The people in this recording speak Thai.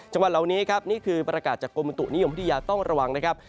จังหวัดเหล่านี้ครับนี่คือประกาศจากกรมบุตุนิยมวิทยาต้องระวังนะครับ